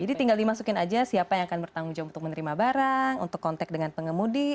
jadi tinggal dimasukin aja siapa yang akan bertanggung jawab untuk menerima barang untuk kontak dengan pengemudi